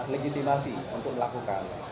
legitimasi untuk melakukan